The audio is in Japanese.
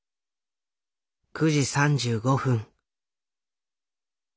９時３５分。